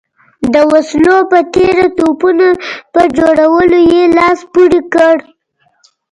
د وسلو په تېره توپونو په جوړولو یې لاس پورې کړ.